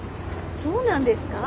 そうなんですか？